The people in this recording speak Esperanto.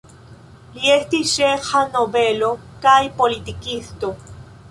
Li estis ĉeĥa nobelo kaj politikisto.